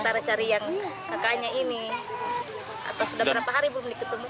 kawasan yang berisi ribuan pengungsi lainnya dengan beragam kisah bertahan hidup di tengah penjara